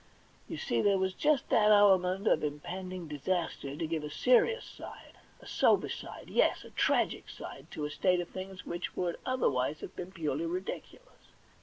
You see there was just that element of impending disaster to give a serious side, a sober side, yes, a tragic side, to a state of things which would otherwise have been purely ridiculous.